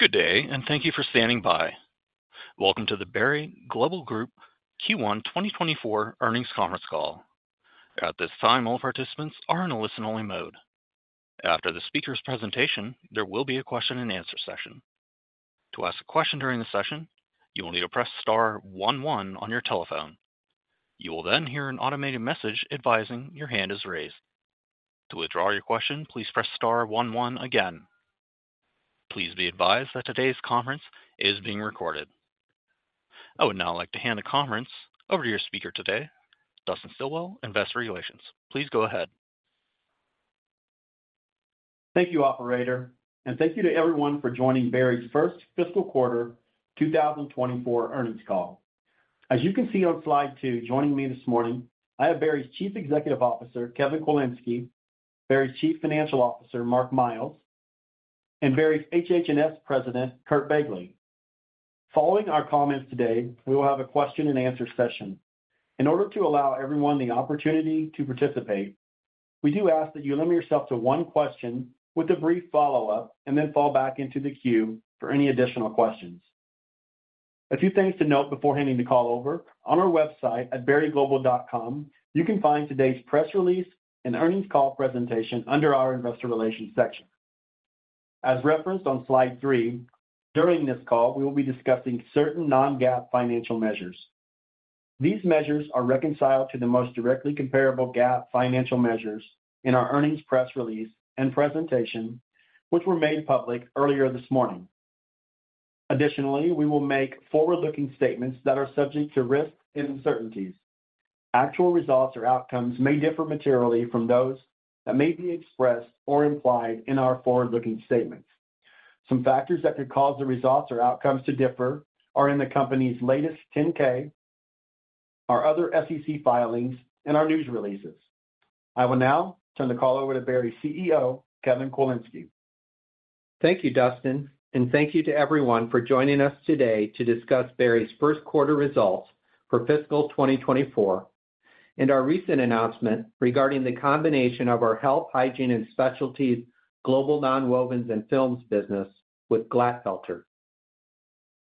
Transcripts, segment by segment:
Good day, and thank you for standing by. Welcome to the Berry Global Group Q1 2024 Earnings Conference Call. At this time, all participants are in a listen-only mode. After the speaker's presentation, there will be a question-and-answer session. To ask a question during the session, you will need to press star one one on your telephone. You will then hear an automated message advising your hand is raised. To withdraw your question, please press star one one again. Please be advised that today's conference is being recorded. I would now like to hand the conference over to your speaker today, Dustin Stilwell, Investor Relations. Please go ahead. Thank you, operator, and thank you to everyone for joining Berry's First Fiscal Quarter 2024 Earnings Call. As you can see on Slide two, joining me this morning, I have Berry's Chief Executive Officer, Kevin Kwilinski, Berry's Chief Financial Officer, Mark Miles, and Berry's HH&S President, Curt Begle. Following our comments today, we will have a question-and-answer session. In order to allow everyone the opportunity to participate, we do ask that you limit yourself to one question with a brief follow-up and then fall back into the queue for any additional questions. A few things to note before handing the call over. On our website at berryglobal.com, you can find today's press release and earnings call presentation under our Investor Relations section. As referenced on Slide three, during this call, we will be discussing certain non-GAAP financial measures. These measures are reconciled to the most directly comparable GAAP financial measures in our earnings press release and presentation, which were made public earlier this morning. Additionally, we will make forward-looking statements that are subject to risks and uncertainties. Actual results or outcomes may differ materially from those that may be expressed or implied in our forward-looking statements. Some factors that could cause the results or outcomes to differ are in the company's latest 10-K, our other SEC filings, and our news releases. I will now turn the call over to Berry's CEO, Kevin Kwilinski. Thank you, Dustin, and thank you to everyone for joining us today to discuss Berry's first quarter results for fiscal 2024, and our recent announcement regarding the combination of our Health, Hygiene and Specialties Global Nonwovens and Films business with Glatfelter.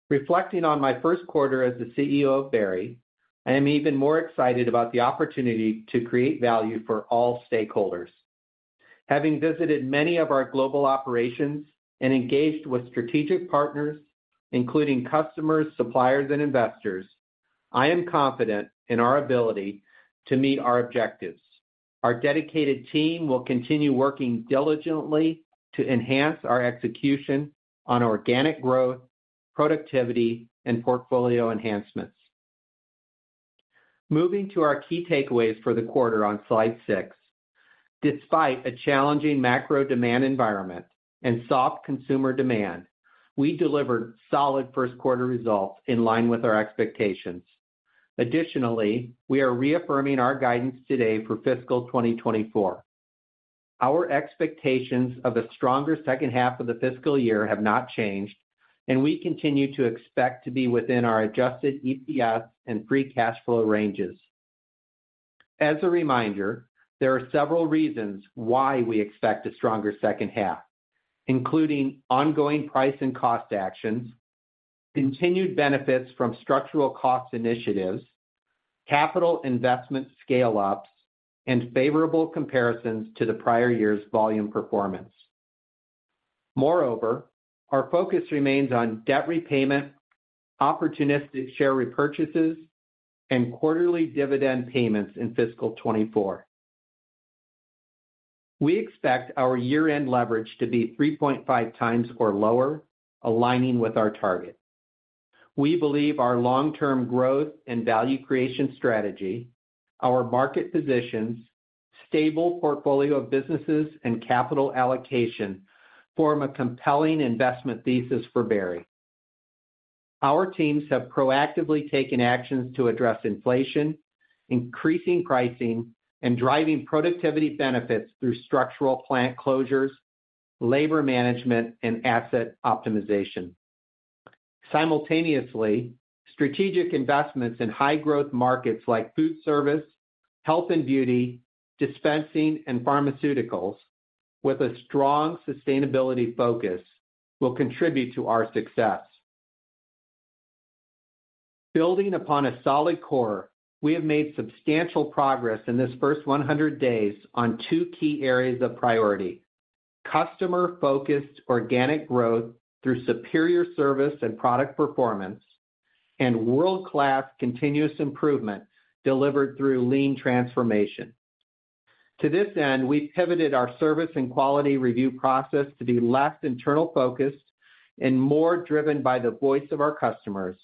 Reflecting on my first quarter as the CEO of Berry, I am even more excited about the opportunity to create value for all stakeholders. Having visited many of our global operations and engaged with strategic partners, including customers, suppliers, and investors, I am confident in our ability to meet our objectives. Our dedicated team will continue working diligently to enhance our execution on organic growth, productivity, and portfolio enhancements. Moving to our key takeaways for the quarter on Slide six. Despite a challenging macro demand environment and soft consumer demand, we delivered solid first quarter results in line with our expectations. Additionally, we are reaffirming our guidance today for fiscal 2024. Our expectations of a stronger second half of the fiscal year have not changed, and we continue to expect to be within our adjusted EPS and free cash flow ranges. As a reminder, there are several reasons why we expect a stronger second half, including ongoing price and cost actions, continued benefits from structural cost initiatives, capital investment scale-ups, and favorable comparisons to the prior year's volume performance. Moreover, our focus remains on debt repayment, opportunistic share repurchases, and quarterly dividend payments in fiscal 2024. We expect our year-end leverage to be 3.5 times or lower, aligning with our target. We believe our long-term growth and value creation strategy, our market positions, stable portfolio of businesses, and capital allocation form a compelling investment thesis for Berry. Our teams have proactively taken actions to address inflation, increasing pricing, and driving productivity benefits through structural plant closures, labor management, and asset optimization. Simultaneously, strategic investments in high-growth markets like food service, health and beauty, dispensing, and pharmaceuticals, with a strong sustainability focus, will contribute to our success. Building upon a solid core, we have made substantial progress in this first 100 days on two key areas of priority: customer-focused organic growth through superior service and product performance, and world-class continuous improvement delivered through lean transformation. To this end, we pivoted our service and quality review process to be less internal-focused and more driven by the voice of our customers,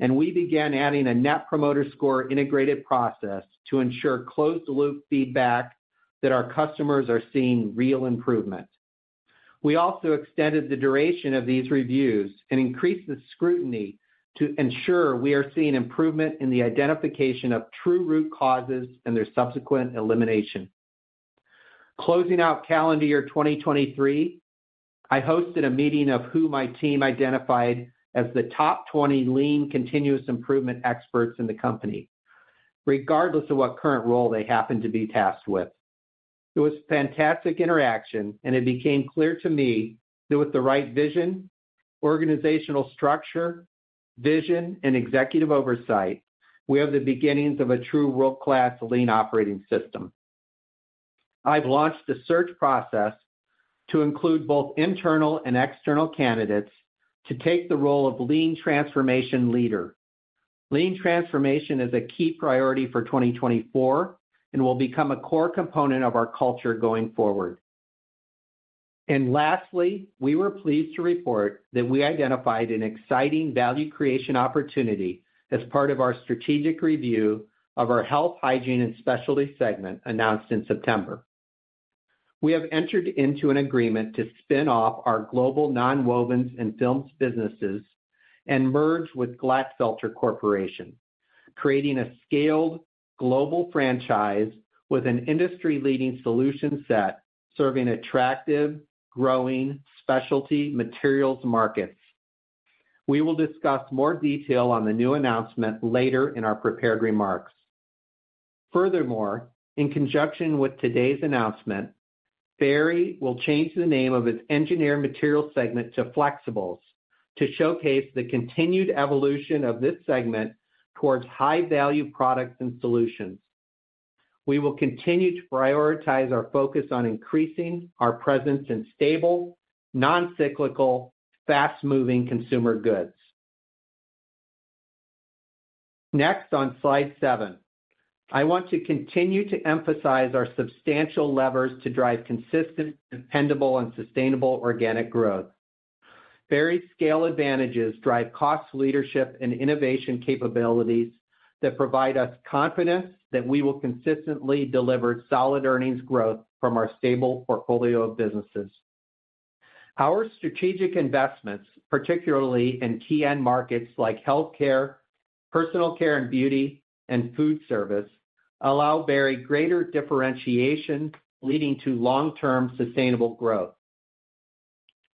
and we began adding a Net Promoter Score integrated process to ensure closed-loop feedback that our customers are seeing real improvement. We also extended the duration of these reviews and increased the scrutiny to ensure we are seeing improvement in the identification of true root causes and their subsequent elimination. Closing out calendar year 2023, I hosted a meeting of who my team identified as the top 20 lean continuous improvement experts in the company... regardless of what current role they happen to be tasked with. It was fantastic interaction, and it became clear to me that with the right vision, organizational structure, vision, and executive oversight, we have the beginnings of a true world-class lean operating system. I've launched a search process to include both internal and external candidates to take the role of lean transformation leader. Lean transformation is a key priority for 2024 and will become a core component of our culture going forward. Lastly, we were pleased to report that we identified an exciting value creation opportunity as part of our strategic review of our Health, Hygiene, and Specialties segment announced in September. We have entered into an agreement to spin off our global nonwovens and films businesses and merge with Glatfelter Corporation, creating a scaled global franchise with an industry-leading solution set, serving attractive, growing specialty materials markets. We will discuss more detail on the new announcement later in our prepared remarks. Furthermore, in conjunction with today's announcement, Berry will change the name of its Engineered Materials segment to Flexibles, to showcase the continued evolution of this segment towards high-value products and solutions. We will continue to prioritize our focus on increasing our presence in stable, non-cyclical, fast-moving consumer goods. Next, on Slide seven, I want to continue to emphasize our substantial levers to drive consistent, dependable, and sustainable organic growth. Berry's scale advantages drive cost leadership and innovation capabilities that provide us confidence that we will consistently deliver solid earnings growth from our stable portfolio of businesses. Our strategic investments, particularly in key end markets like healthcare, personal care and beauty, and food service, allow Berry greater differentiation, leading to long-term sustainable growth.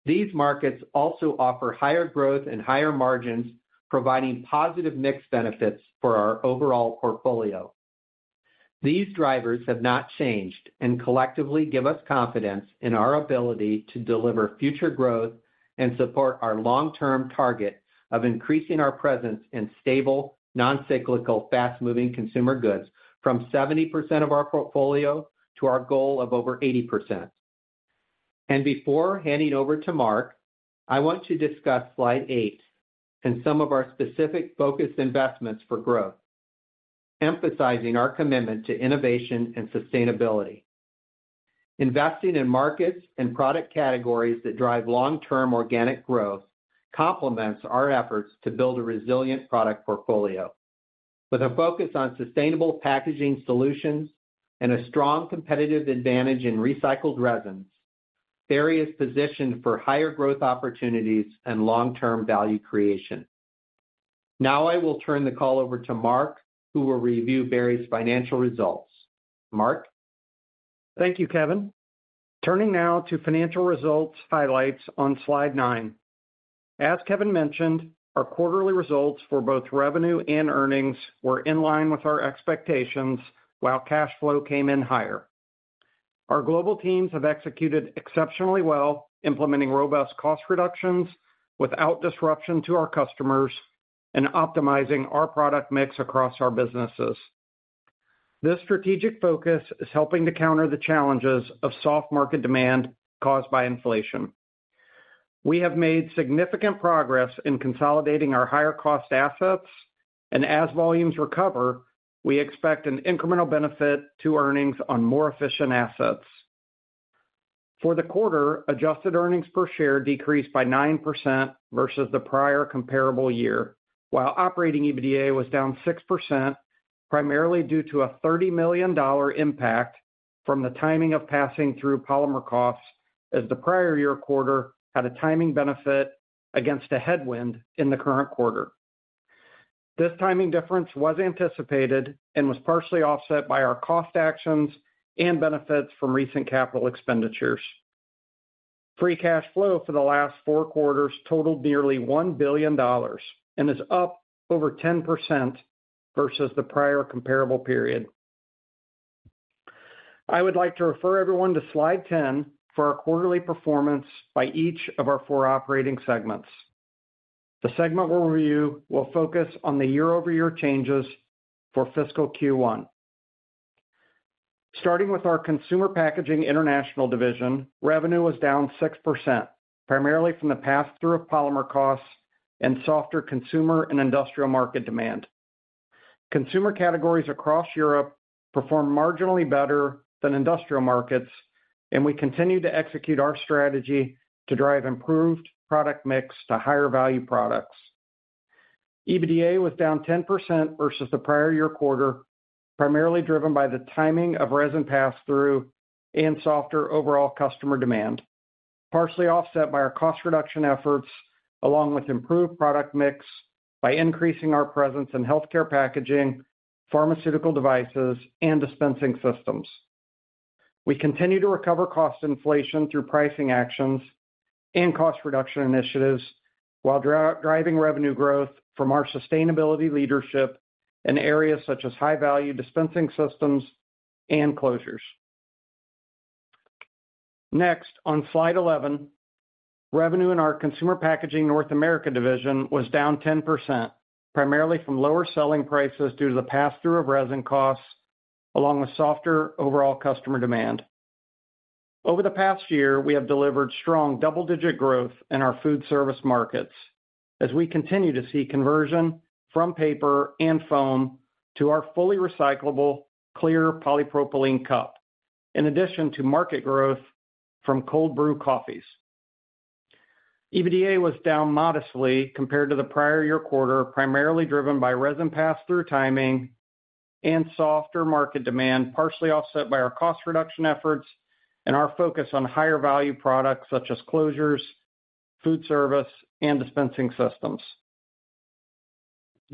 These markets also offer higher growth and higher margins, providing positive mix benefits for our overall portfolio. These drivers have not changed and collectively give us confidence in our ability to deliver future growth and support our long-term target of increasing our presence in stable, non-cyclical, fast-moving consumer goods from 70% of our portfolio to our goal of over 80%. Before handing over to Mark, I want to discuss Slide eight and some of our specific focused investments for growth, emphasizing our commitment to innovation and sustainability. Investing in markets and product categories that drive long-term organic growth complements our efforts to build a resilient product portfolio. With a focus on sustainable packaging solutions and a strong competitive advantage in recycled resins, Berry is positioned for higher growth opportunities and long-term value creation. Now I will turn the call over to Mark, who will review Berry's financial results. Mark? Thank you, Kevin. Turning now to financial results highlights on Slide nine. As Kevin mentioned, our quarterly results for both revenue and earnings were in line with our expectations, while cash flow came in higher. Our global teams have executed exceptionally well, implementing robust cost reductions without disruption to our customers and optimizing our product mix across our businesses. This strategic focus is helping to counter the challenges of soft market demand caused by inflation. We have made significant progress in consolidating our higher-cost assets, and as volumes recover, we expect an incremental benefit to earnings on more efficient assets. For the quarter, adjusted earnings per share decreased by 9% versus the prior comparable year, while operating EBITDA was down 6%, primarily due to a $30 million impact from the timing of passing through polymer costs, as the prior year quarter had a timing benefit against a headwind in the current quarter. This timing difference was anticipated and was partially offset by our cost actions and benefits from recent capital expenditures. Free cash flow for the last four quarters totaled nearly $1 billion and is up over 10% versus the prior comparable period. I would like to refer everyone to Slide 10 for our quarterly performance by each of our 4 operating segments. The segment we'll review will focus on the year-over-year changes for fiscal Q1. Starting with our Consumer Packaging International division, revenue was down 6%, primarily from the pass-through of polymer costs and softer consumer and industrial market demand. Consumer categories across Europe performed marginally better than industrial markets, and we continue to execute our strategy to drive improved product mix to higher-value products. EBITDA was down 10% versus the prior year quarter, primarily driven by the timing of resin pass-through and softer overall customer demand, partially offset by our cost reduction efforts, along with improved product mix by increasing our presence in healthcare packaging, pharmaceutical devices, and dispensing systems.... We continue to recover cost inflation through pricing actions and cost reduction initiatives, while driving revenue growth from our sustainability leadership in areas such as high-value dispensing systems and closures. Next, on Slide 11, revenue in our Consumer Packaging North America division was down 10%, primarily from lower selling prices due to the pass-through of resin costs, along with softer overall customer demand. Over the past year, we have delivered strong double-digit growth in our food service markets as we continue to see conversion from paper and foam to our fully recyclable, clear polypropylene cup, in addition to market growth from cold brew coffees. EBITDA was down modestly compared to the prior year quarter, primarily driven by resin pass-through timing and softer market demand, partially offset by our cost reduction efforts and our focus on higher-value products such as closures, food service, and dispensing systems.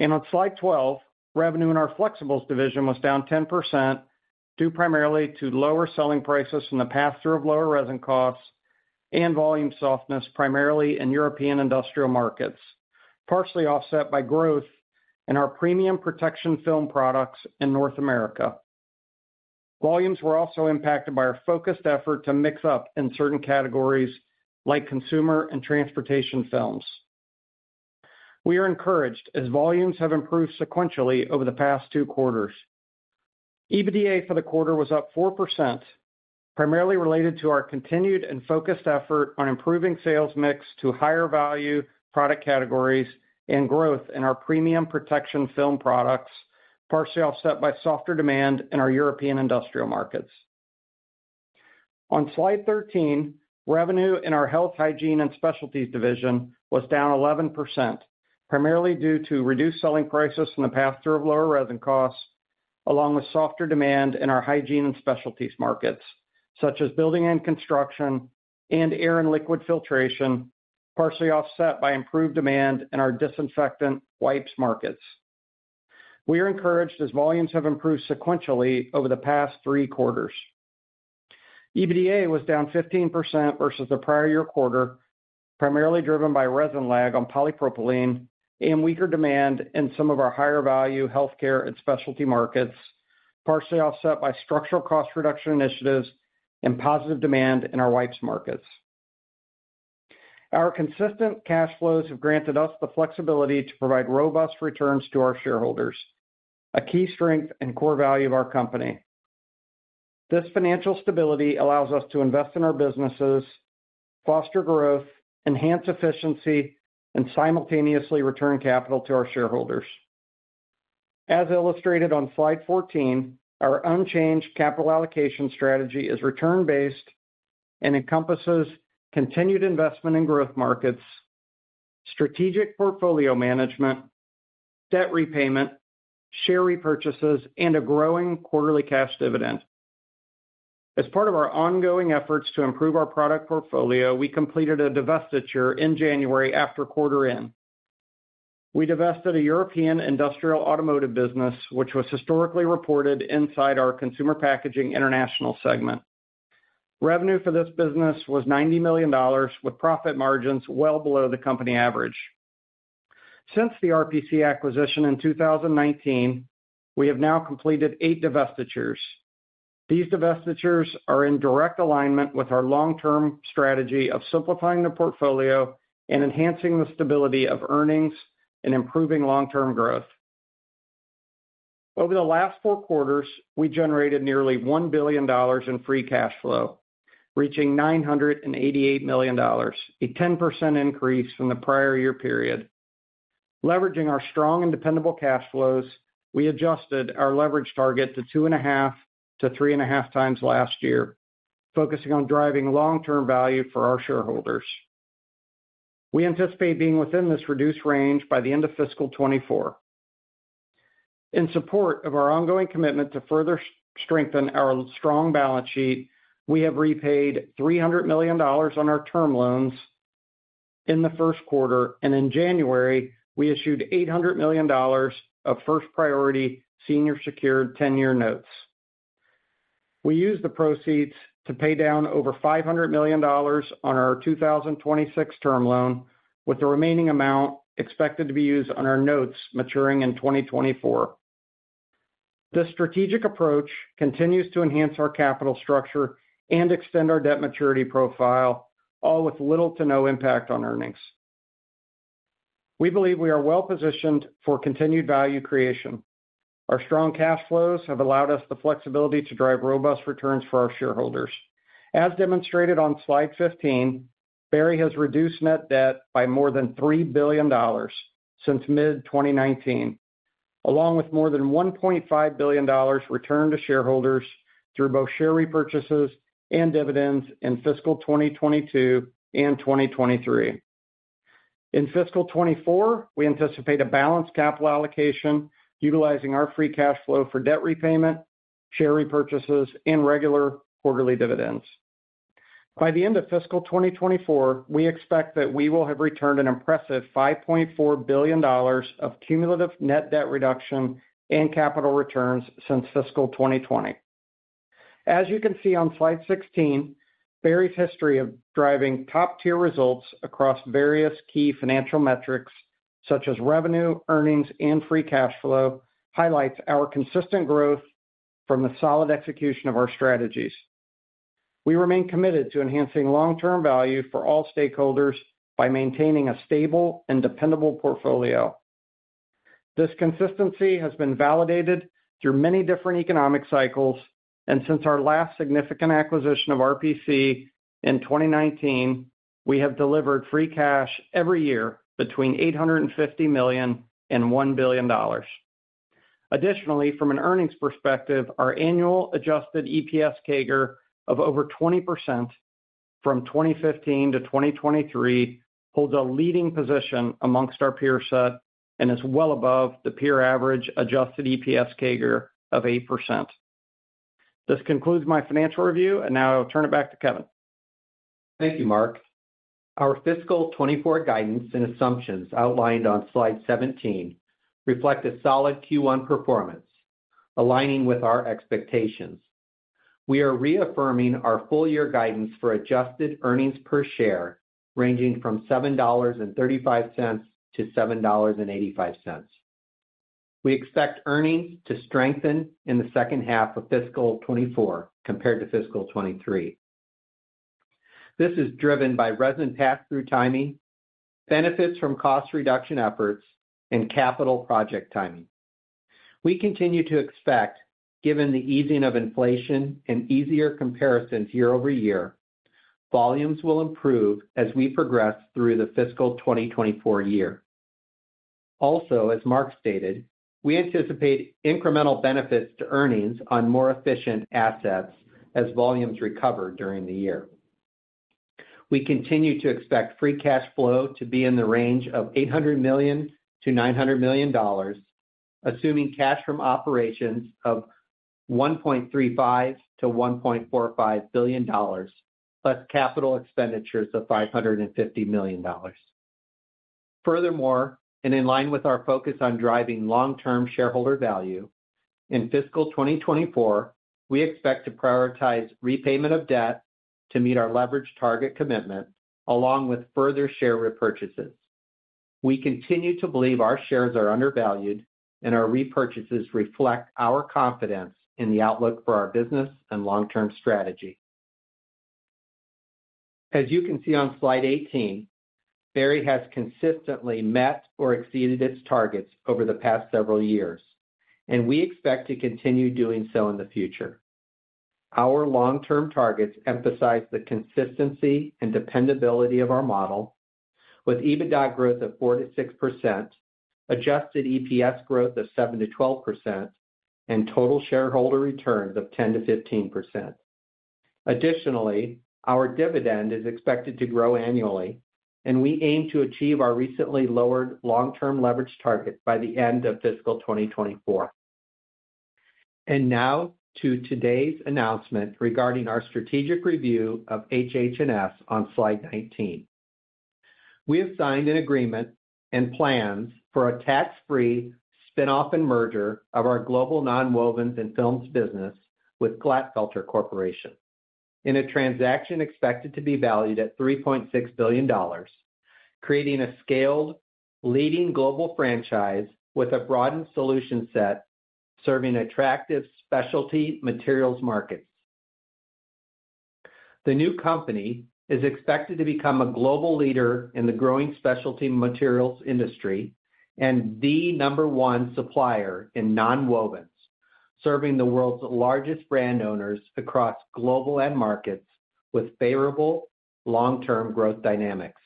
On Slide 12, revenue in our Flexibles division was down 10%, due primarily to lower selling prices from the pass-through of lower resin costs and volume softness, primarily in European industrial markets, partially offset by growth in our premium protection film products in North America. Volumes were also impacted by our focused effort to mix up in certain categories like consumer and transportation films. We are encouraged as volumes have improved sequentially over the past two quarters. EBITDA for the quarter was up 4%, primarily related to our continued and focused effort on improving sales mix to higher-value product categories and growth in our premium protection film products, partially offset by softer demand in our European industrial markets. On Slide 13, revenue in our Health, Hygiene and Specialties division was down 11%, primarily due to reduced selling prices from the pass-through of lower resin costs, along with softer demand in our hygiene and specialties markets, such as building and construction and air and liquid filtration, partially offset by improved demand in our disinfectant wipes markets. We are encouraged as volumes have improved sequentially over the past three quarters. EBITDA was down 15% versus the prior-year quarter, primarily driven by resin lag on polypropylene and weaker demand in some of our higher-value healthcare and specialty markets, partially offset by structural cost reduction initiatives and positive demand in our wipes markets. Our consistent cash flows have granted us the flexibility to provide robust returns to our shareholders, a key strength and core value of our company. This financial stability allows us to invest in our businesses, foster growth, enhance efficiency, and simultaneously return capital to our shareholders. As illustrated on Slide 14, our unchanged capital allocation strategy is return-based and encompasses continued investment in growth markets, strategic portfolio management, debt repayment, share repurchases, and a growing quarterly cash dividend. As part of our ongoing efforts to improve our product portfolio, we completed a divestiture in January after quarter end. We divested a European industrial automotive business, which was historically reported inside our Consumer Packaging International segment. Revenue for this business was $90 million, with profit margins well below the company average. Since the RPC acquisition in 2019, we have now completed 8 divestitures. These divestitures are in direct alignment with our long-term strategy of simplifying the portfolio and enhancing the stability of earnings and improving long-term growth. Over the last four quarters, we generated nearly $1 billion in free cash flow, reaching $988 million, a 10% increase from the prior year period. Leveraging our strong and dependable cash flows, we adjusted our leverage target to 2.5-3.5 times last year, focusing on driving long-term value for our shareholders. We anticipate being within this reduced range by the end of fiscal 2024. In support of our ongoing commitment to further strengthen our strong balance sheet, we have repaid $300 million on our term loans in the first quarter, and in January, we issued $800 million of first priority senior secured ten-year notes. We used the proceeds to pay down over $500 million on our 2026 term loan, with the remaining amount expected to be used on our notes maturing in 2024. This strategic approach continues to enhance our capital structure and extend our debt maturity profile, all with little to no impact on earnings. We believe we are well positioned for continued value creation. Our strong cash flows have allowed us the flexibility to drive robust returns for our shareholders. As demonstrated on Slide 15, Berry has reduced net debt by more than $3 billion since mid-2019, along with more than $1.5 billion returned to shareholders through both share repurchases and dividends in fiscal 2022 and 2023. In fiscal 2024, we anticipate a balanced capital allocation utilizing our free cash flow for debt repayment, share repurchases, and regular quarterly dividends. By the end of fiscal 2024, we expect that we will have returned an impressive $5.4 billion of cumulative net debt reduction and capital returns since fiscal 2020. As you can see on Slide 16, Berry's history of driving top-tier results across various key financial metrics, such as revenue, earnings, and free cash flow, highlights our consistent growth from the solid execution of our strategies. We remain committed to enhancing long-term value for all stakeholders by maintaining a stable and dependable portfolio. This consistency has been validated through many different economic cycles, and since our last significant acquisition of RPC in 2019, we have delivered free cash every year between $850 million and $1 billion. Additionally, from an earnings perspective, our annual adjusted EPS CAGR of over 20% from 2015 to 2023 holds a leading position amongst our peer set and is well above the peer average adjusted EPS CAGR of 8%. This concludes my financial review, and now I'll turn it back to Kevin. Thank you, Mark. Our fiscal 2024 guidance and assumptions outlined on Slide 17 reflect a solid Q1 performance, aligning with our expectations. We are reaffirming our full-year guidance for adjusted earnings per share, ranging from $7.35 to $7.85. We expect earnings to strengthen in the second half of fiscal 2024 compared to fiscal 2023. This is driven by resin pass-through timing, benefits from cost reduction efforts, and capital project timing. We continue to expect, given the easing of inflation and easier comparisons year-over-year, volumes will improve as we progress through the fiscal 2024 year. Also, as Mark stated, we anticipate incremental benefits to earnings on more efficient assets as volumes recover during the year. We continue to expect free cash flow to be in the range of $800 million-$900 million, assuming cash from operations of $1.35 billion-$1.45 billion, plus capital expenditures of $550 million. Furthermore, and in line with our focus on driving long-term shareholder value, in fiscal 2024, we expect to prioritize repayment of debt to meet our leverage target commitment, along with further share repurchases. We continue to believe our shares are undervalued, and our repurchases reflect our confidence in the outlook for our business and long-term strategy. As you can see on Slide 18, Berry has consistently met or exceeded its targets over the past several years, and we expect to continue doing so in the future. Our long-term targets emphasize the consistency and dependability of our model, with EBITDA growth of 4%-6%, adjusted EPS growth of 7%-12%, and total shareholder returns of 10%-15%. Additionally, our dividend is expected to grow annually, and we aim to achieve our recently lowered long-term leverage target by the end of fiscal 2024. And now to today's announcement regarding our strategic review of HH&S on Slide 19. We have signed an agreement and plans for a tax-free spin-off and merger of our global nonwovens and films business with Glatfelter Corporation in a transaction expected to be valued at $3.6 billion, creating a scaled, leading global franchise with a broadened solution set, serving attractive specialty materials markets. The new company is expected to become a global leader in the growing specialty materials industry and the number 1 supplier in nonwovens, serving the world's largest brand owners across global end markets with favorable long-term growth dynamics.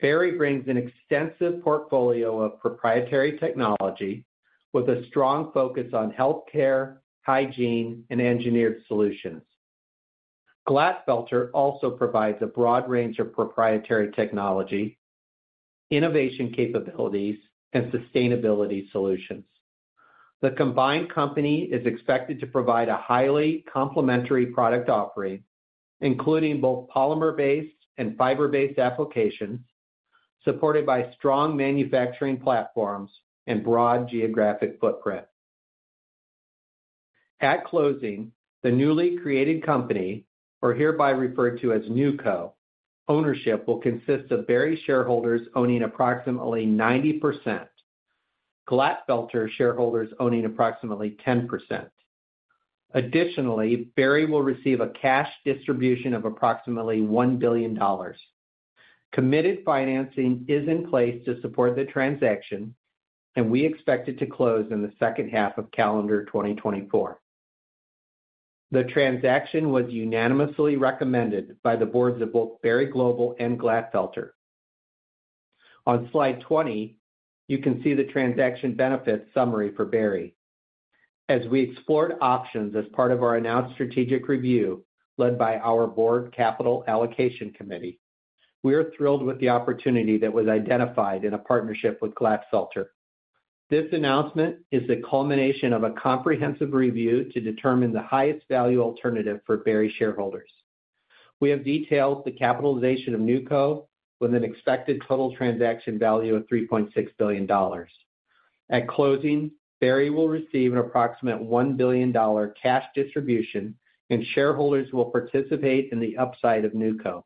Berry brings an extensive portfolio of proprietary technology with a strong focus on healthcare, hygiene, and engineered solutions. Glatfelter also provides a broad range of proprietary technology, innovation capabilities, and sustainability solutions. The combined company is expected to provide a highly complementary product offering, including both polymer-based and fiber-based applications, supported by strong manufacturing platforms and broad geographic footprint. At closing, the newly created company, or hereby referred to as NewCo, ownership will consist of Berry shareholders owning approximately 90%, Glatfelter shareholders owning approximately 10%. Additionally, Berry will receive a cash distribution of approximately $1 billion. Committed financing is in place to support the transaction, and we expect it to close in the second half of calendar 2024. The transaction was unanimously recommended by the boards of both Berry Global and Glatfelter. On Slide 20, you can see the transaction benefits summary for Berry. As we explored options as part of our announced strategic review led by our board capital allocation committee, we are thrilled with the opportunity that was identified in a partnership with Glatfelter.... This announcement is the culmination of a comprehensive review to determine the highest value alternative for Berry shareholders. We have detailed the capitalization of NewCo with an expected total transaction value of $3.6 billion. At closing, Berry will receive an approximate $1 billion cash distribution, and shareholders will participate in the upside of NewCo.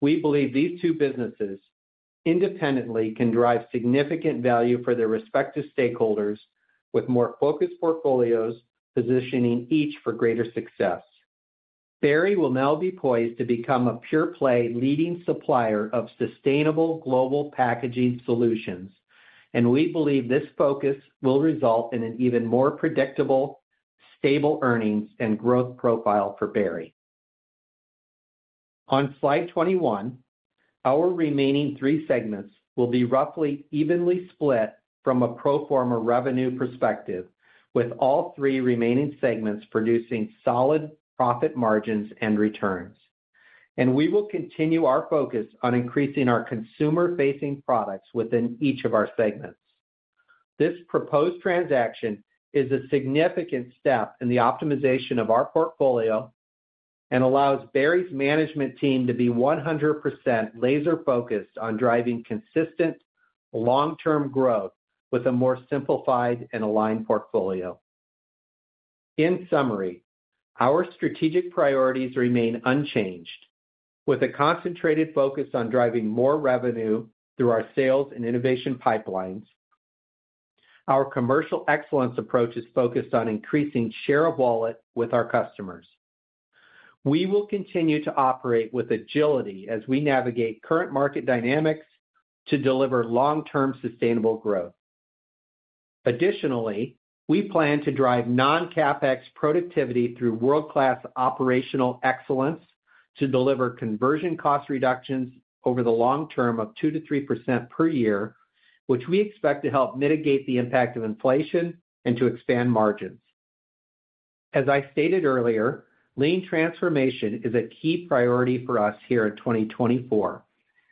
We believe these two businesses independently can drive significant value for their respective stakeholders, with more focused portfolios, positioning each for greater success. Berry will now be poised to become a pure-play leading supplier of sustainable global packaging solutions, and we believe this focus will result in an even more predictable, stable earnings and growth profile for Berry. On Slide 21, our remaining three segments will be roughly evenly split from a pro forma revenue perspective, with all three remaining segments producing solid profit margins and returns. We will continue our focus on increasing our consumer-facing products within each of our segments. This proposed transaction is a significant step in the optimization of our portfolio and allows Berry's management team to be 100% laser-focused on driving consistent, long-term growth with a more simplified and aligned portfolio. In summary, our strategic priorities remain unchanged, with a concentrated focus on driving more revenue through our sales and innovation pipelines. Our commercial excellence approach is focused on increasing share of wallet with our customers. We will continue to operate with agility as we navigate current market dynamics to deliver long-term sustainable growth. Additionally, we plan to drive non-CapEx productivity through world-class operational excellence to deliver conversion cost reductions over the long term of 2%-3% per year, which we expect to help mitigate the impact of inflation and to expand margins. As I stated earlier, lean transformation is a key priority for us here in 2024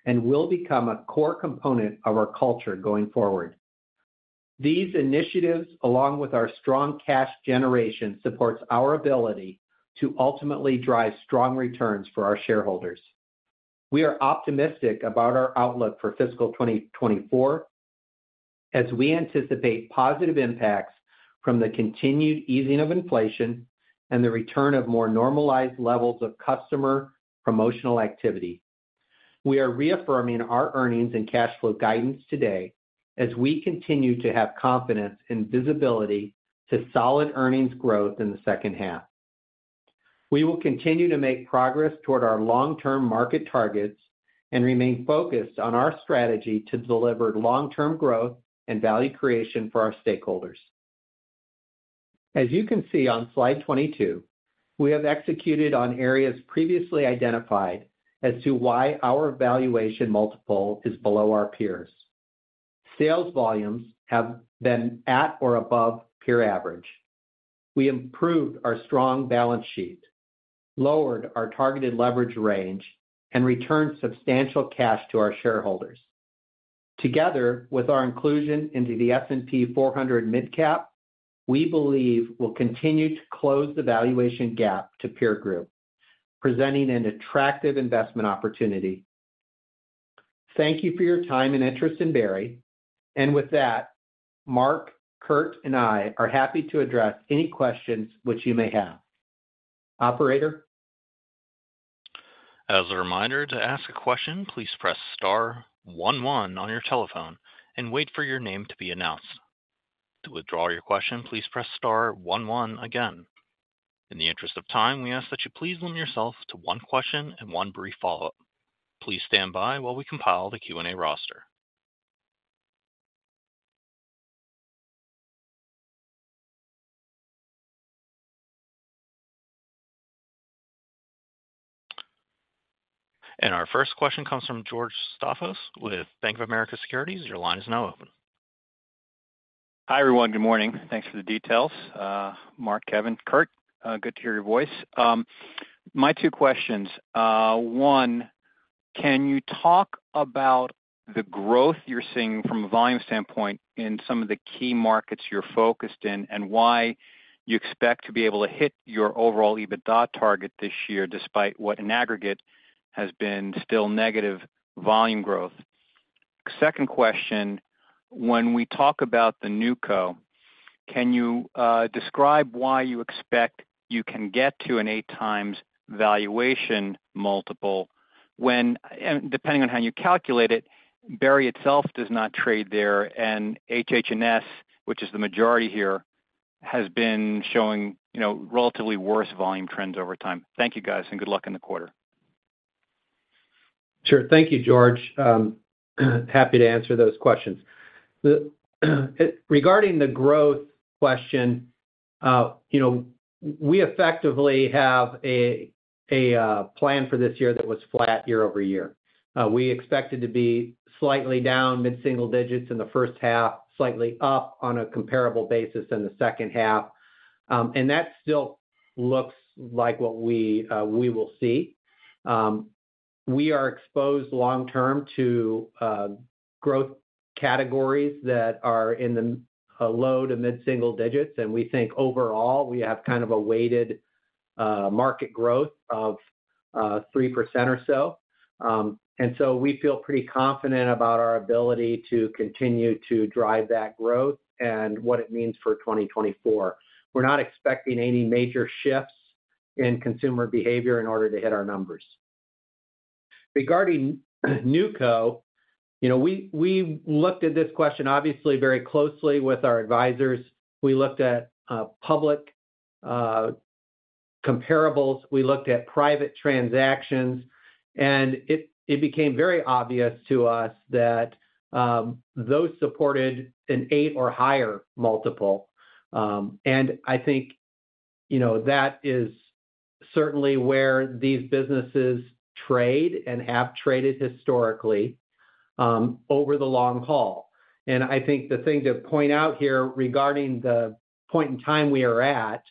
and will become a core component of our culture going forward. These initiatives, along with our strong cash generation, supports our ability to ultimately drive strong returns for our shareholders. We are optimistic about our outlook for fiscal 2024, as we anticipate positive impacts from the continued easing of inflation and the return of more normalized levels of customer promotional activity. We are reaffirming our earnings and cash flow guidance today as we continue to have confidence and visibility to solid earnings growth in the second half. We will continue to make progress toward our long-term market targets and remain focused on our strategy to deliver long-term growth and value creation for our stakeholders. As you can see on Slide 22, we have executed on areas previously identified as to why our valuation multiple is below our peers. Sales volumes have been at or above peer average. We improved our strong balance sheet, lowered our targeted leverage range, and returned substantial cash to our shareholders. Together, with our inclusion into the S&P 400 Mid-Cap, we believe will continue to close the valuation gap to peer group, presenting an attractive investment opportunity. Thank you for your time and interest in Berry, and with that, Mark, Curt, and I are happy to address any questions which you may have. Operator? As a reminder, to ask a question, please press star one one on your telephone and wait for your name to be announced. To withdraw your question, please press star one one again. In the interest of time, we ask that you please limit yourself to one question and one brief follow-up. Please stand by while we compile the Q&A roster. Our first question comes from George Staphos with Bank of America Securities. Your line is now open. Hi, everyone. Good morning. Thanks for the details, Mark, Kevin, Curt, good to hear your voice. My two questions. One, can you talk about the growth you're seeing from a volume standpoint in some of the key markets you're focused in, and why you expect to be able to hit your overall EBITDA target this year, despite what in aggregate has been still negative volume growth? Second question: when we talk about the NewCo, can you describe why you expect you can get to an 8x valuation multiple when, and depending on how you calculate it, Berry itself does not trade there, and HH&S, which is the majority here, has been showing, you know, relatively worse volume trends over time. Thank you, guys, and good luck in the quarter. Sure. Thank you, George. Happy to answer those questions. Regarding the growth question, you know, we effectively have a plan for this year that was flat year-over-year. We expected to be slightly down mid-single digits in the first half, slightly up on a comparable basis in the second half. And that still looks like what we will see. We are exposed long-term to growth categories that are in the low to mid-single digits, and we think overall, we have kind of a weighted market growth of 3% or so. And so we feel pretty confident about our ability to continue to drive that growth and what it means for 2024. We're not expecting any major shifts in consumer behavior in order to hit our numbers. Regarding NewCo, you know, we, we looked at this question obviously very closely with our advisors. We looked at public comparables. We looked at private transactions, and it, it became very obvious to us that those supported an 8 or higher multiple. And I think, you know, that is certainly where these businesses trade and have traded historically over the long haul. And I think the thing to point out here regarding the point in time we are at,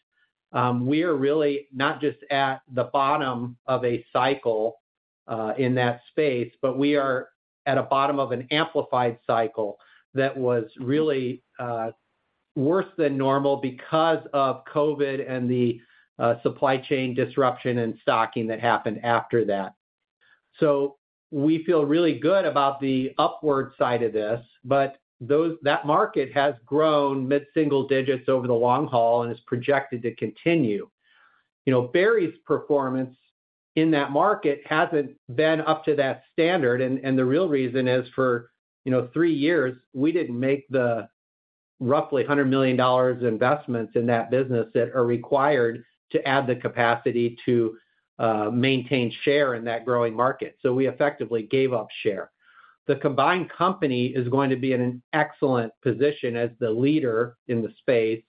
we are really not just at the bottom of a cycle in that space, but we are at a bottom of an amplified cycle that was really worse than normal because of COVID and the supply chain disruption and stocking that happened after that. So we feel really good about the upward side of this, but that market has grown mid-single digits over the long haul and is projected to continue. You know, Berry's performance in that market hasn't been up to that standard, and the real reason is for, you know, three years, we didn't make the roughly $100 million investments in that business that are required to add the capacity to maintain share in that growing market. So we effectively gave up share. The combined company is going to be in an excellent position as the leader in the space,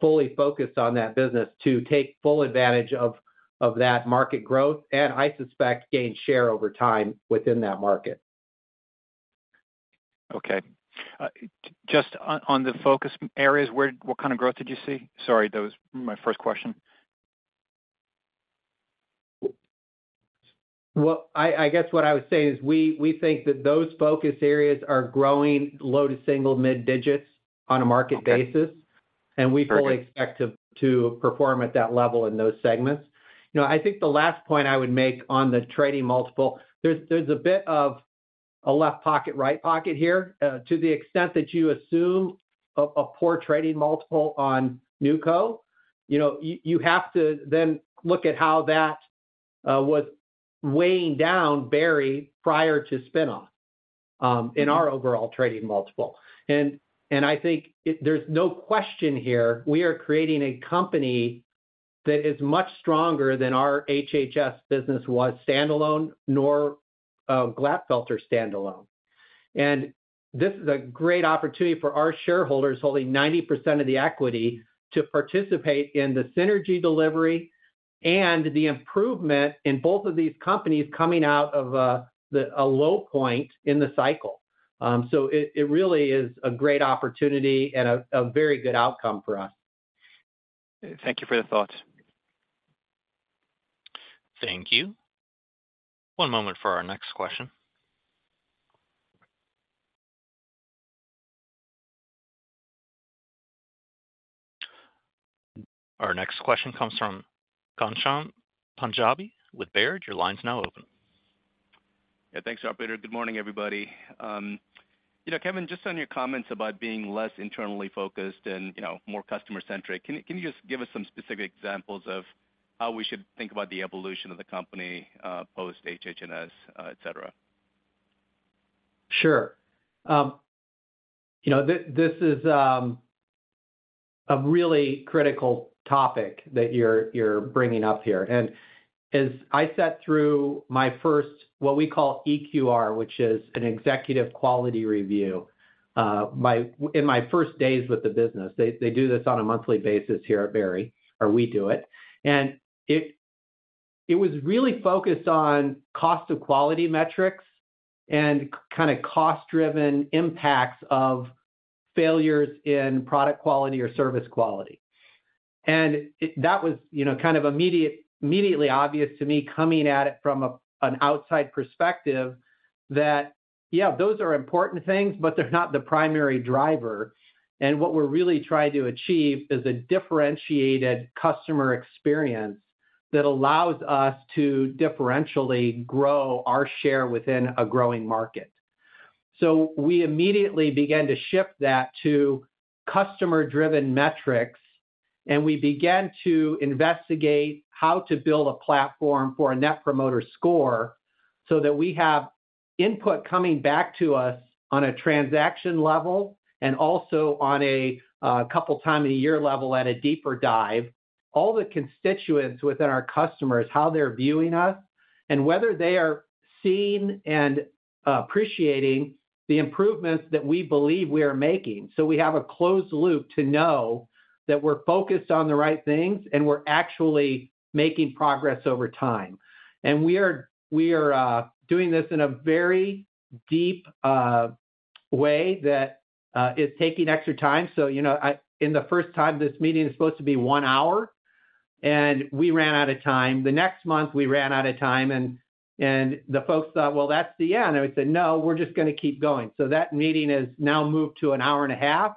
fully focused on that business, to take full advantage of that market growth and, I suspect, gain share over time within that market. Okay. Just on, on the focus areas, where—what kind of growth did you see? Sorry, that was my first question. Well, I guess what I would say is we think that those focus areas are growing low to single mid digits on a market basis. Okay. And we fully- Perfect Expect to perform at that level in those segments. You know, I think the last point I would make on the trading multiple, there's a bit of a left pocket, right pocket here. To the extent that you assume a poor trading multiple on NewCo, you know, you have to then look at how that was weighing down Berry prior to spin-off, in our overall trading multiple. And I think it... There's no question here, we are creating a company that is much stronger than our HH&S business was standalone, nor Glatfelter standalone. This is a great opportunity for our shareholders, holding 90% of the equity, to participate in the synergy delivery and the improvement in both of these companies coming out of a low point in the cycle. So it really is a great opportunity and a very good outcome for us. Thank you for the thoughts. Thank you. One moment for our next question. Our next question comes from Ghansham Panjabi with Baird. Your line's now open. Yeah, thanks, operator. Good morning, everybody. You know, Kevin, just on your comments about being less internally focused and, you know, more customer-centric, can you, can you just give us some specific examples of how we should think about the evolution of the company, post-HH&S, et cetera? Sure. You know, this is a really critical topic that you're bringing up here. And as I sat through my first, what we call EQR, which is an executive quality review, in my first days with the business. They do this on a monthly basis here at Berry, or we do it. And it was really focused on cost of quality metrics and kind of cost-driven impacts of failures in product quality or service quality. And it... That was, you know, kind of immediately obvious to me, coming at it from an outside perspective, that, yeah, those are important things, but they're not the primary driver. And what we're really trying to achieve is a differentiated customer experience that allows us to differentially grow our share within a growing market. So we immediately began to shift that to customer-driven metrics, and we began to investigate how to build a platform for a Net Promoter Score, so that we have input coming back to us on a transaction level and also on a couple times of the year level at a deeper dive. All the constituents within our customers, how they're viewing us, and whether they are seeing and appreciating the improvements that we believe we are making. So we have a closed loop to know that we're focused on the right things, and we're actually making progress over time. And we are doing this in a very deep way that is taking extra time. So, you know, I, in the first time, this meeting is supposed to be one hour, and we ran out of time. The next month, we ran out of time, and the folks thought, "Well, that's the end." We said: No, we're just gonna keep going. That meeting has now moved to an hour and a half,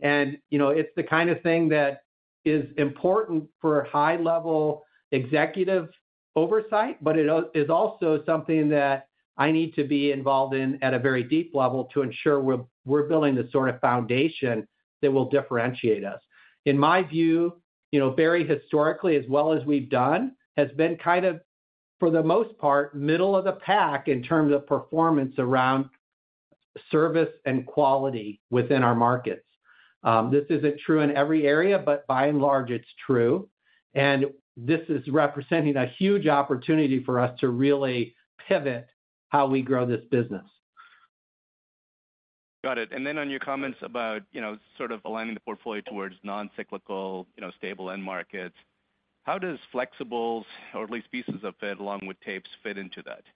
and, you know, it's the kind of thing that is important for high-level executive oversight, but it is also something that I need to be involved in at a very deep level to ensure we're building the sort of foundation that will differentiate us. In my view, you know, very historically, as well as we've done, has been kind of, for the most part, middle of the pack in terms of performance around service and quality within our markets. This isn't true in every area, but by and large, it's true. This is representing a huge opportunity for us to really pivot how we grow this business. Got it. Then on your comments about, you know, sort of aligning the portfolio towards non-cyclical, you know, stable end markets, how does Flexibles, or at least pieces of it, along with tapes, fit into that? Yeah,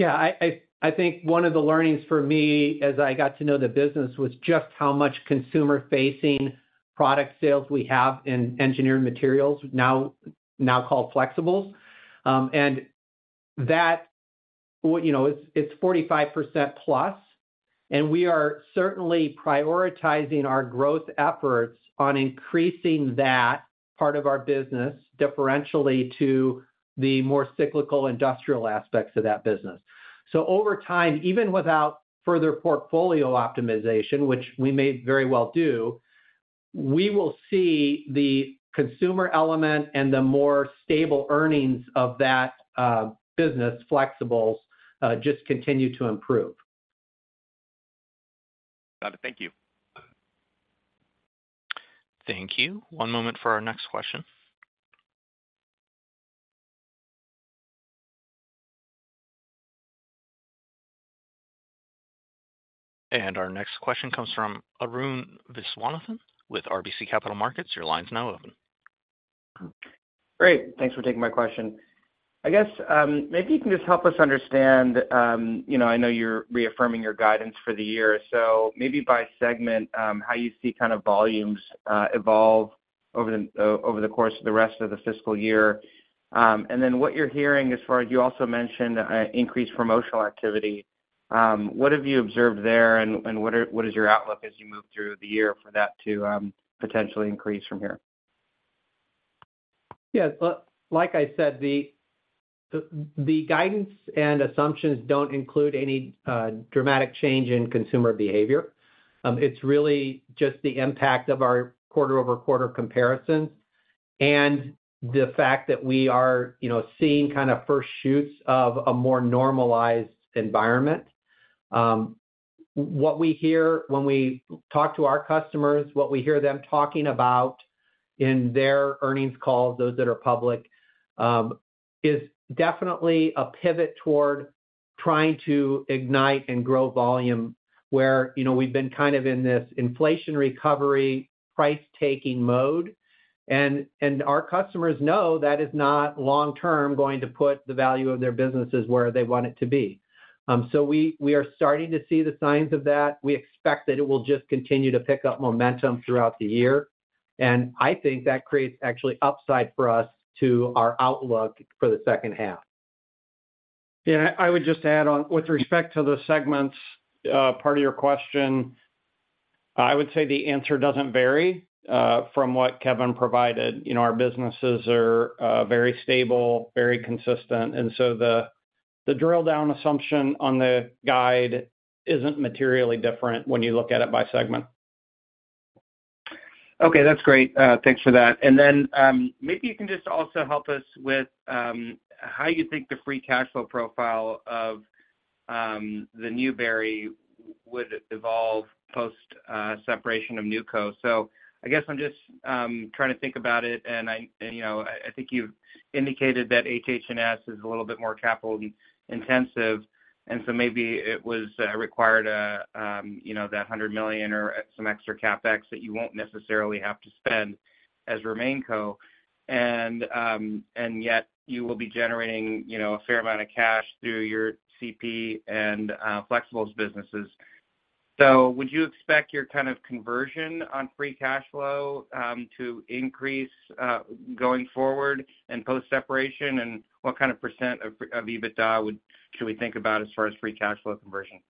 I think one of the learnings for me as I got to know the business was just how much consumer-facing product sales we have in Engineered Materials, now called Flexibles. You know, it's 45% plus, and we are certainly prioritizing our growth efforts on increasing that part of our business differentially to the more cyclical industrial aspects of that business. So over time, even without further portfolio optimization, which we may very well do, we will see the consumer element and the more stable earnings of that business, Flexibles, just continue to improve. Got it. Thank you. Thank you. One moment for our next question. Our next question comes from Arun Viswanathan with RBC Capital Markets. Your line is now open. Great, thanks for taking my question. I guess, maybe you can just help us understand, you know, I know you're reaffirming your guidance for the year, so maybe by segment, how you see kind of volumes, evolve over the, over the course of the rest of the fiscal year. And then what you're hearing as far as you also mentioned, increased promotional activity. What have you observed there, and, and what are- what is your outlook as you move through the year for that to, potentially increase from here? Yeah. Well, like I said, the guidance and assumptions don't include any dramatic change in consumer behavior. It's really just the impact of our quarter-over-quarter comparisons and the fact that we are, you know, seeing kind of first shoots of a more normalized environment. What we hear when we talk to our customers, what we hear them talking about in their earnings calls, those that are public, is definitely a pivot toward trying to ignite and grow volume where, you know, we've been kind of in this inflation recovery, price-taking mode. And our customers know that is not long term going to put the value of their businesses where they want it to be. So we are starting to see the signs of that. We expect that it will just continue to pick up momentum throughout the year, and I think that creates actually upside for us to our outlook for the second half. Yeah, I would just add on, with respect to the segments, part of your question, I would say the answer doesn't vary from what Kevin provided. You know, our businesses are very stable, very consistent, and so the drill-down assumption on the guide isn't materially different when you look at it by segment. Okay, that's great. Thanks for that. And then, maybe you can just also help us with how you think the free cash flow profile of the Berry would evolve post separation of NewCo. So I guess I'm just trying to think about it, and I, and, you know, I think you've indicated that HH&S is a little bit more capital-intensive, and so maybe it was required a, you know, that $100 million or some extra CapEx that you won't necessarily have to spend as RemainCo. And, and yet you will be generating, you know, a fair amount of cash through your CP and Flexibles businesses. So would you expect your kind of conversion on free cash flow to increase going forward and post-separation? What kind of percent of EBITDA should we think about as far as Free Cash Flow conversion?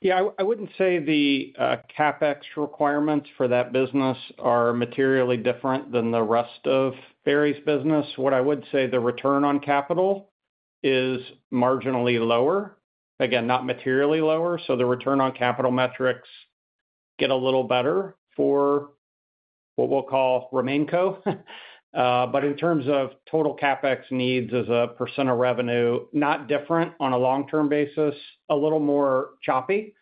Yeah, I, I wouldn't say the CapEx requirements for that business are materially different than the rest of Berry's business. What I would say, the return on capital is marginally lower. Again, not materially lower, so the return on capital metrics get a little better for what we'll call RemainCo. But in terms of total CapEx needs as a percent of revenue, not different on a long-term basis, a little more choppy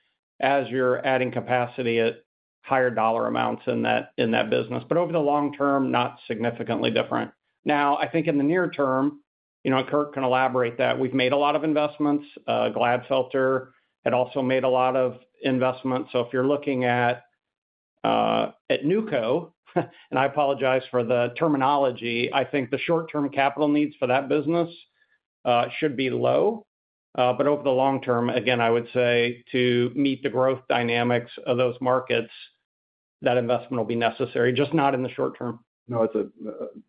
as you're adding capacity at higher dollar amounts in that, in that business. But over the long term, not significantly different. Now, I think in the near term, you know, and Curt can elaborate that we've made a lot of investments. Glatfelter had also made a lot of investments. So if you're looking at-... At NewCo, and I apologize for the terminology, I think the short-term capital needs for that business should be low. But over the long term, again, I would say to meet the growth dynamics of those markets, that investment will be necessary, just not in the short term. No, it's a,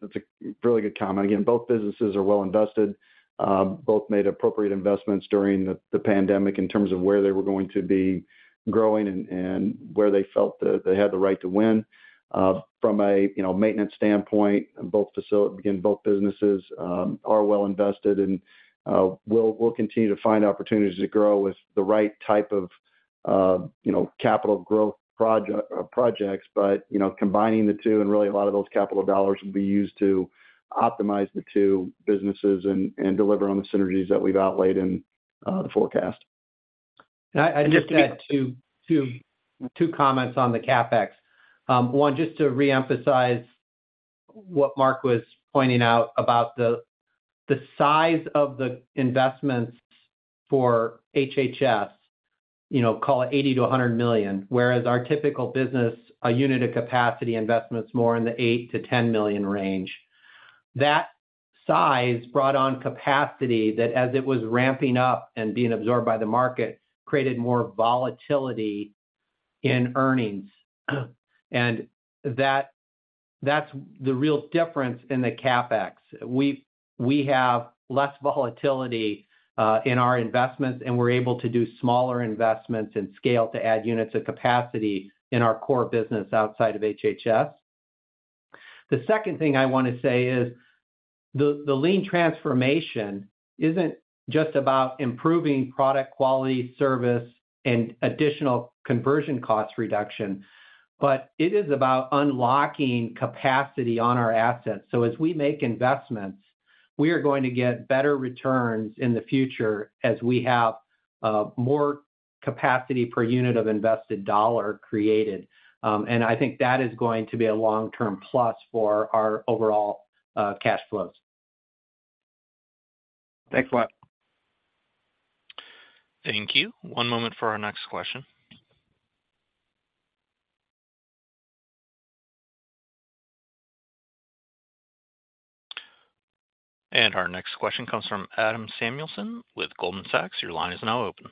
it's a really good comment. Again, both businesses are well invested. Both made appropriate investments during the, the pandemic in terms of where they were going to be growing and, and where they felt that they had the right to win. From a, you know, maintenance standpoint, again, both businesses are well invested, and, we'll continue to find opportunities to grow with the right type of, you know, capital growth projects. But, you know, combining the two, and really a lot of those capital dollars will be used to optimize the two businesses and, and deliver on the synergies that we've outlaid in, the forecast. I'd just add two comments on the CapEx. One, just to reemphasize what Mark was pointing out about the size of the investments for HH&S, you know, call it $80 million-$100 million, whereas our typical business, a unit of capacity investment's more in the $8 million-$10 million range. That size brought on capacity that as it was ramping up and being absorbed by the market, created more volatility in earnings. That's the real difference in the CapEx. We have less volatility in our investments, and we're able to do smaller investments and scale to add units of capacity in our core business outside of HH&S. The second thing I want to say is the lean transformation isn't just about improving product quality, service, and additional conversion cost reduction, but it is about unlocking capacity on our assets. So as we make investments, we are going to get better returns in the future as we have more capacity per unit of invested dollar created. And I think that is going to be a long-term plus for our overall cash flows. Thanks a lot. Thank you. One moment for our next question. Our next question comes from Adam Samuelson with Goldman Sachs. Your line is now open.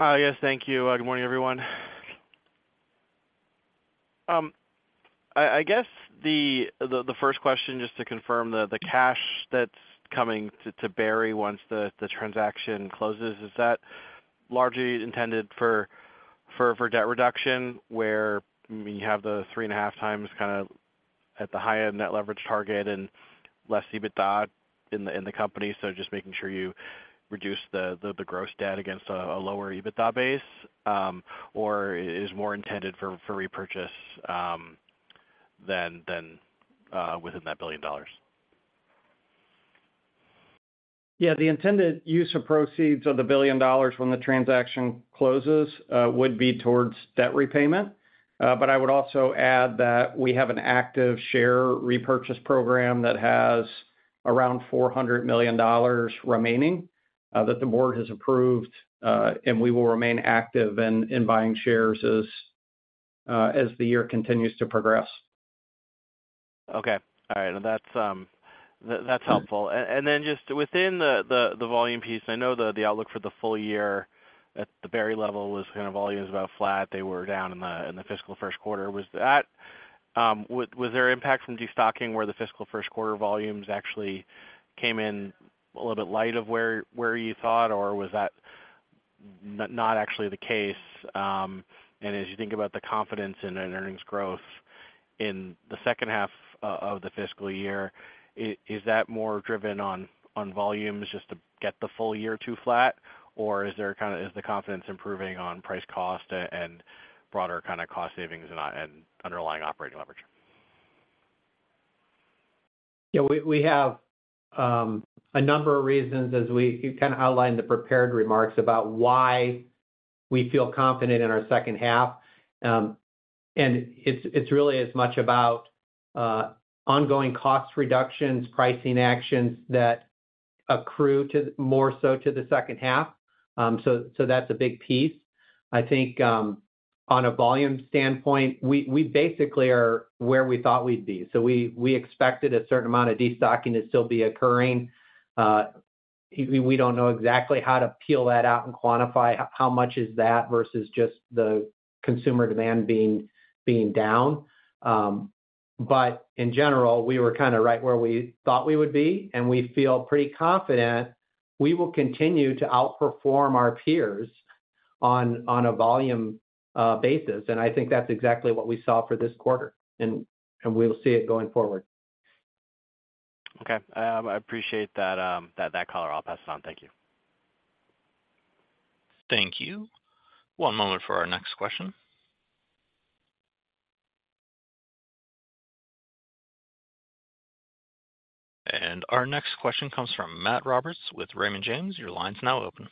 Yes, thank you. Good morning, everyone. I guess the first question, just to confirm, the cash that's coming to Berry once the transaction closes, is that largely intended for debt reduction, where you have the 3.5x, kind of, at the high end net leverage target and less EBITDA in the company? So just making sure you reduce the gross debt against a lower EBITDA base, or is more intended for repurchase than within that $1 billion? Yeah, the intended use of proceeds of the $1 billion when the transaction closes would be towards debt repayment. But I would also add that we have an active share repurchase program that has around $400 million remaining that the board has approved, and we will remain active in buying shares as the year continues to progress. Okay. All right, that's helpful. And then just within the volume piece, I know the outlook for the full year at the Berry level was kind of volumes about flat. They were down in the fiscal first quarter. Was that... Was there impact from destocking, where the fiscal first quarter volumes actually came in a little bit light of where you thought? Or was that not actually the case? And as you think about the confidence in an earnings growth in the second half of the fiscal year, is that more driven on volumes just to get the full year to flat? Or is there kind of, is the confidence improving on price-cost and broader kind of cost savings and underlying operating leverage? Yeah, we, we have a number of reasons, as we kind of outlined the prepared remarks, about why we feel confident in our second half. It's, it's really as much about ongoing cost reductions, pricing actions that accrue to more so to the second half. So, so that's a big piece. I think on a volume standpoint, we, we basically are where we thought we'd be. So we, we expected a certain amount of destocking to still be occurring. We, we don't know exactly how to peel that out and quantify how much is that versus just the consumer demand being, being down. But in general, we were kind of right where we thought we would be, and we feel pretty confident we will continue to outperform our peers on, on a volume basis. I think that's exactly what we saw for this quarter, and we'll see it going forward. Okay. I appreciate that color. I'll pass it on. Thank you. Thank you. One moment for our next question. Our next question comes from Matt Roberts with Raymond James. Your line's now open.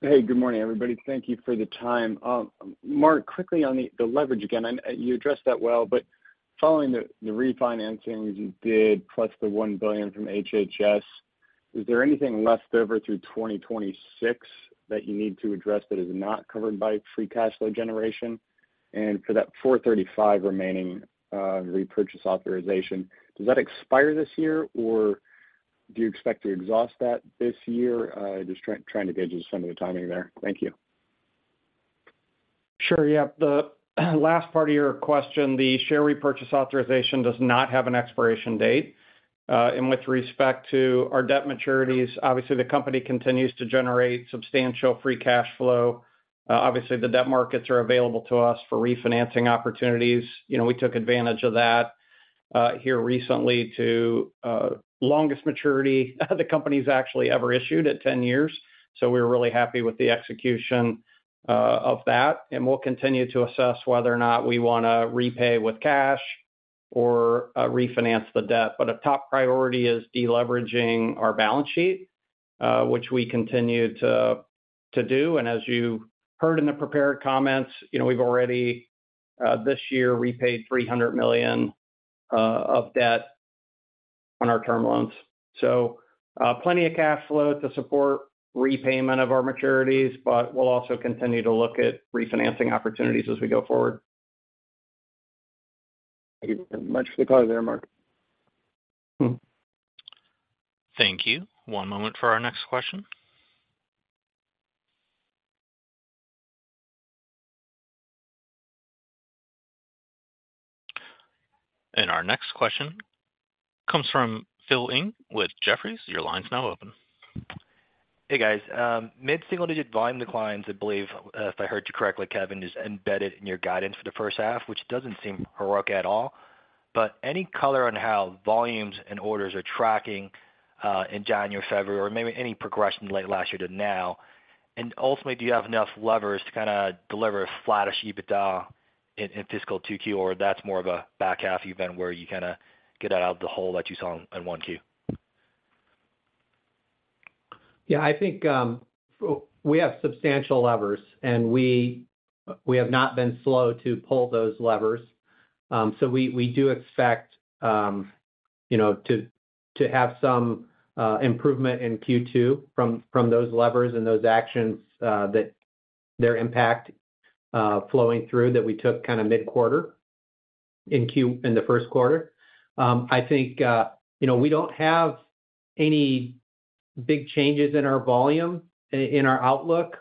Hey, good morning, everybody. Thank you for the time. Mark, quickly on the leverage again, and you addressed that well, but following the refinancing you did, plus the $1 billion from HH&S- Is there anything left over through 2026 that you need to address that is not covered by free cash flow generation? And for that $435 remaining repurchase authorization, does that expire this year, or do you expect to exhaust that this year? Just trying to gauge some of the timing there. Thank you. Sure. Yeah. The last part of your question, the share repurchase authorization does not have an expiration date. With respect to our debt maturities, obviously, the company continues to generate substantial free cash flow. Obviously, the debt markets are available to us for refinancing opportunities. You know, we took advantage of that here recently to longest maturity the company's actually ever issued at 10 years. So we're really happy with the execution of that, and we'll continue to assess whether or not we wanna repay with cash or refinance the debt. But a top priority is deleveraging our balance sheet, which we continue to do. As you heard in the prepared comments, you know, we've already this year repaid $300 million of debt on our term loans. So, plenty of cash flow to support repayment of our maturities, but we'll also continue to look at refinancing opportunities as we go forward. Thank you very much for the color there, Mark. Thank you. One moment for our next question. Our next question comes from Phil Ng with Jefferies. Your line's now open. Hey, guys. Mid-single-digit volume declines, I believe, if I heard you correctly, Kevin, is embedded in your guidance for the first half, which doesn't seem heroic at all. But any color on how volumes and orders are tracking in January, February, or maybe any progression late last year to now? And ultimately, do you have enough levers to kinda deliver a flattish EBITDA in fiscal 2Q, or that's more of a back half event where you kinda get out of the hole that you saw in 1Q? Yeah, I think, we have substantial levers, and we have not been slow to pull those levers. So we do expect, you know, to have some improvement in Q2 from those levers and those actions that their impact flowing through that we took kinda mid-quarter in the first quarter. I think, you know, we don't have any big changes in our volume in our outlook,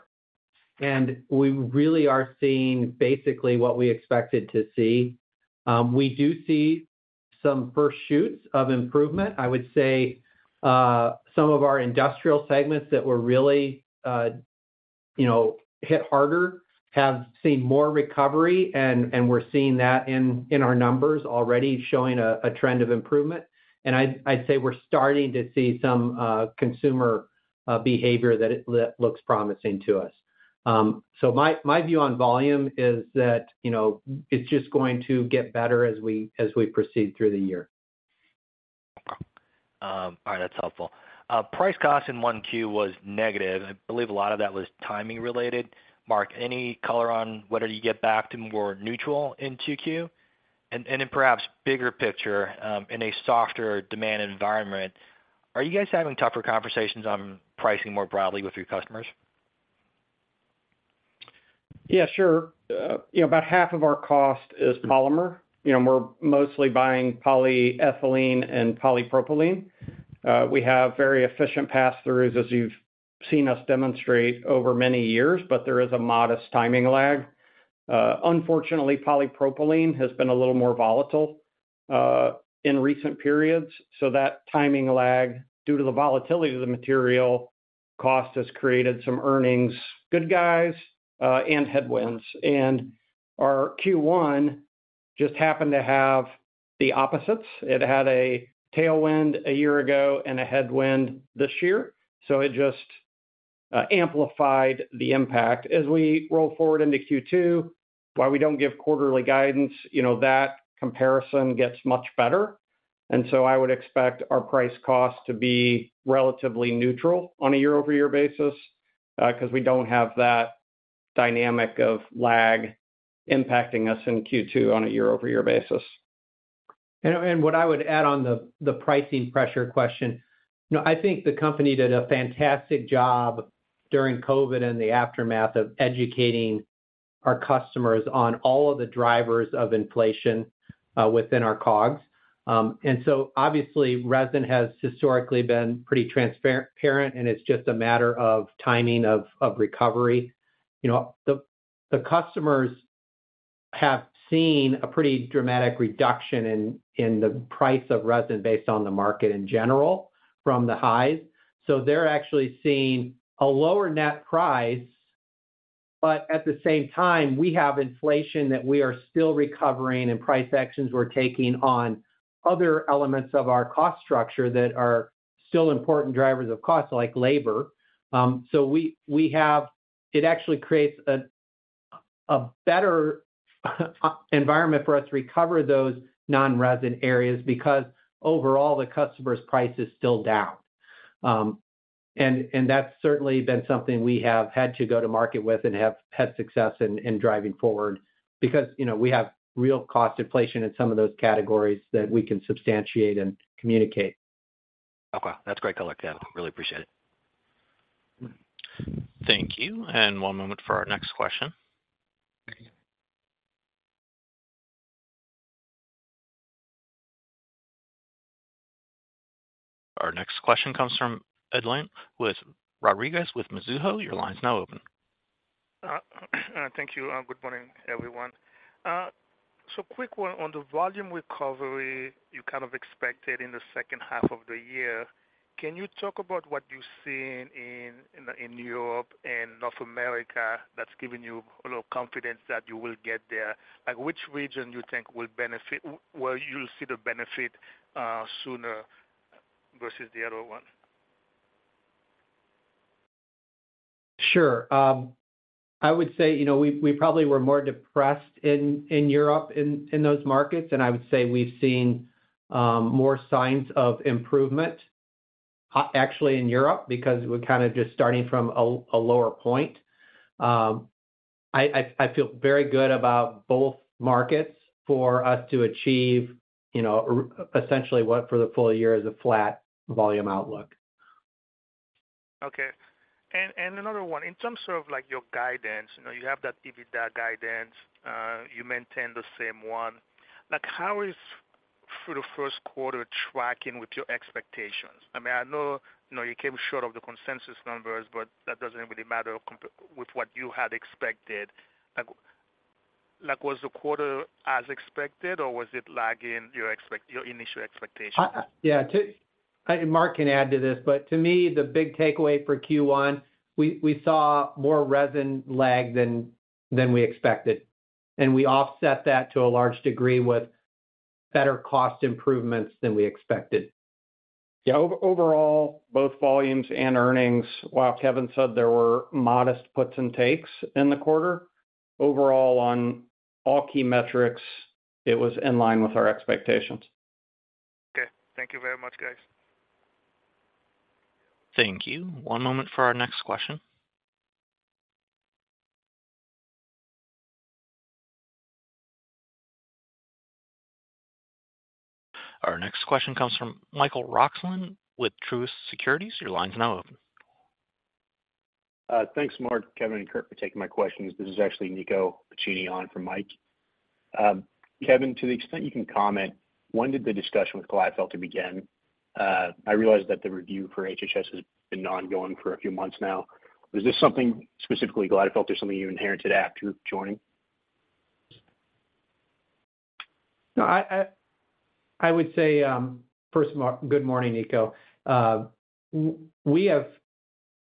and we really are seeing basically what we expected to see. We do see some first shoots of improvement. I would say, some of our industrial segments that were really, you know, hit harder, have seen more recovery, and we're seeing that in our numbers already showing a trend of improvement. I'd say we're starting to see some consumer behavior that it looks promising to us. So my view on volume is that, you know, it's just going to get better as we proceed through the year. All right, that's helpful. Price-cost in 1Q was negative. I believe a lot of that was timing related. Mark, any color on whether you get back to more neutral in 2Q? And, and then perhaps bigger picture, in a softer demand environment, are you guys having tougher conversations on pricing more broadly with your customers? Yeah, sure. You know, about half of our cost is polymer. You know, we're mostly buying polyethylene and polypropylene. We have very efficient pass-throughs, as you've seen us demonstrate over many years, but there is a modest timing lag. Unfortunately, polypropylene has been a little more volatile in recent periods, so that timing lag, due to the volatility of the material cost, has created some earnings, good guys, and headwinds. And our Q1 just happened to have the opposites. It had a tailwind a year ago and a headwind this year, so it just amplified the impact. As we roll forward into Q2, while we don't give quarterly guidance, you know, that comparison gets much better. And so I would expect our price-cost to be relatively neutral on a year-over-year basis, 'cause we don't have that dynamic of lag impacting us in Q2 on a year-over-year basis. What I would add on the pricing pressure question. You know, I think the company did a fantastic job during COVID and the aftermath of educating our customers on all of the drivers of inflation within our COGS. And so obviously, resin has historically been pretty transparent, and it's just a matter of timing of recovery. You know, the customers have seen a pretty dramatic reduction in the price of resin based on the market in general, from the highs. So they're actually seeing a lower net price. But at the same time, we have inflation that we are still recovering and price actions we're taking on other elements of our cost structure that are still important drivers of cost, like labor. So we have. It actually creates a better environment for us to recover those non-resin areas because overall, the customer's price is still down. That's certainly been something we have had to go to market with and have had success in driving forward. Because, you know, we have real cost inflation in some of those categories that we can substantiate and communicate. Okay, that's great color, Kevin. Really appreciate it. Thank you, and one moment for our next question. Our next question comes from Edlain Rodriguez with Mizuho. Your line is now open. Thank you. Good morning, everyone. So quick one on the volume recovery you kind of expected in the second half of the year. Can you talk about what you're seeing in Europe and North America that's giving you a little confidence that you will get there? Like, which region you think will benefit, where you'll see the benefit sooner versus the other one? Sure. I would say, you know, we probably were more depressed in Europe, in those markets, and I would say we've seen more signs of improvement actually in Europe, because we're kind of just starting from a lower point. I feel very good about both markets for us to achieve, you know, essentially what for the full year is a flat volume outlook. Okay. And another one: in terms of, like, your guidance, you know, you have that EBITDA guidance, you maintain the same one. Like, how is for the first quarter tracking with your expectations? I mean, I know, you know, you came short of the consensus numbers, but that doesn't really matter with what you had expected. Like, was the quarter as expected, or was it lagging your initial expectations? And Mark can add to this, but to me, the big takeaway for Q1, we saw more resin lag than we expected, and we offset that to a large degree with better cost improvements than we expected. Yeah. Overall, both volumes and earnings, while Kevin said there were modest puts and takes in the quarter, overall, on all key metrics, it was in line with our expectations. Okay. Thank you very much, guys. Thank you. One moment for our next question. Our next question comes from Michael Roxland with Truist Securities. Your line is now open. Thanks, Mark, Kevin, and Curt, for taking my questions. This is actually Niccolo Piccini in for Mike. Kevin, to the extent you can comment, when did the discussion with Glatfelter begin? I realize that the review for HH&S has been ongoing for a few months now. Was this something, specifically Glatfelter, something you inherited after joining? No, I would say, first of all, good morning, Nico. We have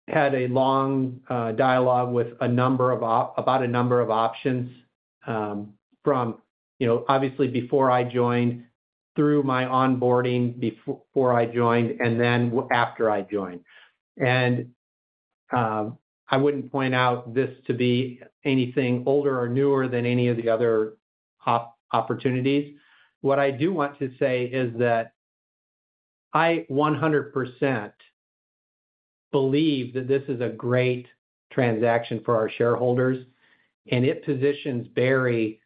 had a long dialogue with a number of options, from, you know, obviously before I joined, through my onboarding before I joined, and then after I joined. And I wouldn't point out this to be anything older or newer than any of the other opportunities. What I do want to say is that I 100% believe that this is a great transaction for our shareholders, and it positions Berry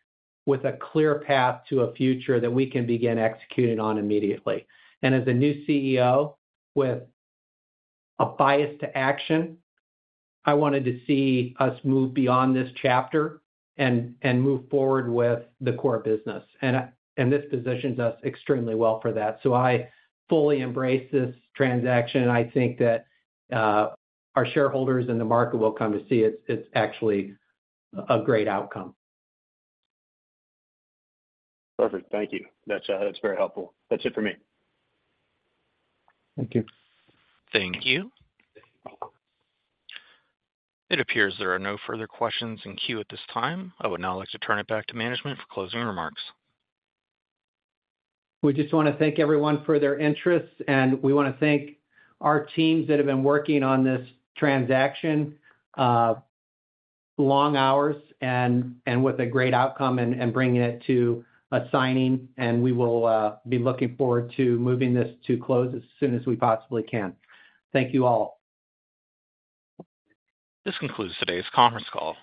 with a clear path to a future that we can begin executing on immediately. And as a new CEO with a bias to action, I wanted to see us move beyond this chapter and move forward with the core business. And this positions us extremely well for that. So I fully embrace this transaction, and I think that our shareholders in the market will come to see it's actually a great outcome. Perfect. Thank you. That's, that's very helpful. That's it for me. Thank you. Thank you. It appears there are no further questions in queue at this time. I would now like to turn it back to management for closing remarks. We just wanna thank everyone for their interest, and we wanna thank our teams that have been working on this transaction, long hours and, and with a great outcome and, and bringing it to a signing, and we will, be looking forward to moving this to close as soon as we possibly can. Thank you all. This concludes today's conference call.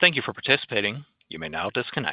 Thank you for participating. You may now disconnect.